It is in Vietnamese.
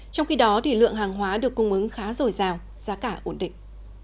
trong khi đó thì lượng hàng hóa được cung ứng khá rồi rào giá cả ổn định